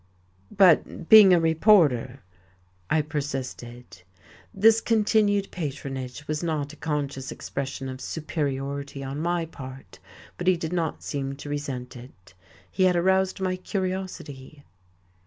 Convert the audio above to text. "But being a reporter?" I persisted. This continued patronage was not a conscious expression of superiority on my part, but he did not seem to resent it. He had aroused my curiosity.